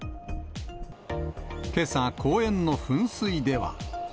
けさ、公園の噴水では。